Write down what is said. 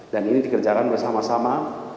dan ini dikerjakan bersama sama